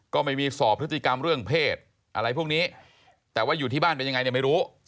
ก็ไม่มีสอบพฤติกรรมเรื่องเพศอะไรพวกนี้แต่ว่าอยู่ที่บ้านเป็นยังไงเนี่ยไม่รู้